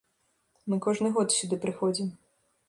Мы кожны год сюды прыходзім.